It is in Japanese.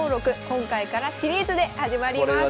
今回からシリーズで始まります。